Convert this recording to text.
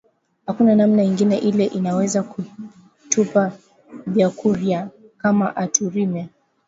Akuna namna ingine ile inaweza ku tupa byakuria kama atu rime